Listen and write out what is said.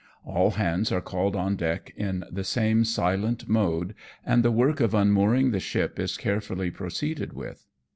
All hands are called on deck in the same silent mode, and the work of unmoor ing ship is carefully proceeded with.